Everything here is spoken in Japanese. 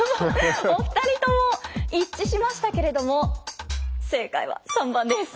お二人とも一致しましたけれども正解は３番です。